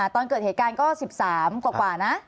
ตอนเกิดเหตุการณ์ก็๑๓กว่านะ